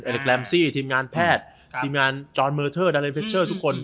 เอลิคแบรมซีทีมงานแพทย์ทีมงานจ้อนเมอร์เทอร์ดัลเรนเพชเชอร์ทุกคน